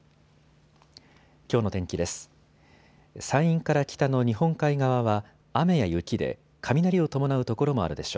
きょうの天気です。